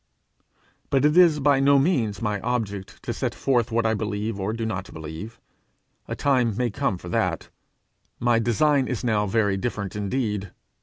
But it is by no means my object to set forth what I believe or do not believe; a time may come for that; my design is now very different indeed.